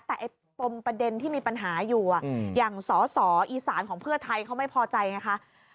แต่ไอ้ปมประเด็นที่มีปัญหาอยู่อย่างสอสออีสานของเพื่อไทยเขาไม่พอใจไงคะ